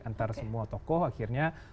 antara semua tokoh akhirnya